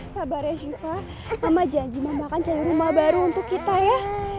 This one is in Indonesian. sabarnya syukra mama janji mama akan cari rumah baru untuk kita ya